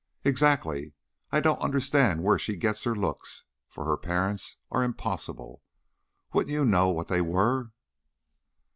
"Exactly. I don't understand where she gets her looks, for her parents are impossible. Wouldn't you know what they were?"